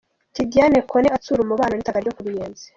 Tidiane Kone atsura umubano n'itaka ryo ku Ruyenzi.